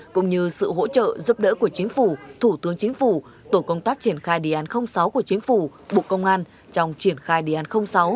cũng như sự hỗ trợ giúp đỡ của chính phủ thủ tướng chính phủ tổ công tác triển khai đề án sáu của chính phủ bộ công an trong triển khai đề án sáu